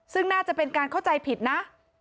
ซึ่งน่าจะเป็นการเข้าใจผิดนะ